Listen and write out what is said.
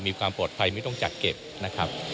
มีความปลอดภัยไม่ต้องจัดเก็บนะครับ